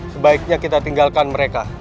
sebaiknya kita tinggalkan mereka